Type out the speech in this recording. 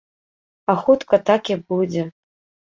А хутка так і будзе.